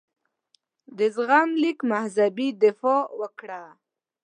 د زغم لیک مذهبي دفاع وکړه.